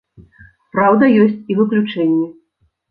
Праўда ёсць і выключэнні.